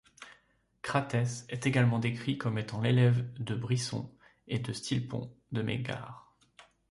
Cratès est également décrit comme étant l'élève de Bryson et de Stilpon de Mégare.